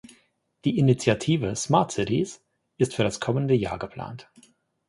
Die Initiative "Smart Cities" ist für das kommende Jahr geplant.